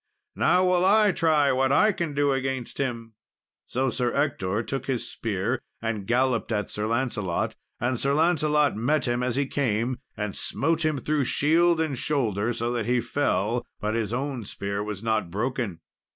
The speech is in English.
Now will I try what I can do against him!" So Sir Ector took his spear, and galloped at Sir Lancelot; and Sir Lancelot met him as he came, and smote him through shield and shoulder, so that he fell, but his own spear was not broken.